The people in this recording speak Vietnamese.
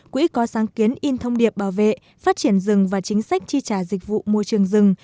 quỹ có sáng kiến in thông điệp bảo vệ phát triển rừng và chính sách tri trả dịch vụ môi trường rừng